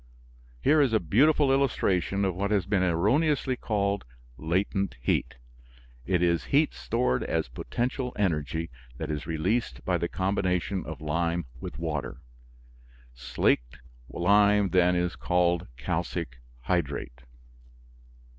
Here is a beautiful illustration of what has been erroneously called "latent heat." It is "heat stored as potential energy," that is released by the combination of lime with water. Slackened lime, then, is called calcic hydrate.